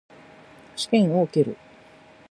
試験を受ける。